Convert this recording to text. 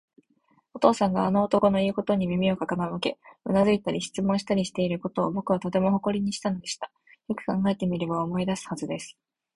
お父さんがあの男のいうことに耳を傾け、うなずいたり、質問したりしていることを、ぼくはとても誇りにしたのでした。よく考えてみれば、思い出すはずです。